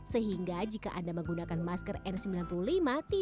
sehingga jika anda menggunakan masker n sembilan puluh lima tidak perlu lagi berhenti